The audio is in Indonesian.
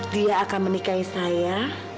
dia akan menikahi saya